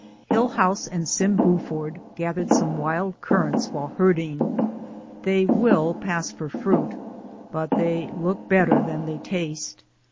Hillhouse and Sim Buford gathered some wild currants while herding; they will pass for fruit, but they look better than they taste.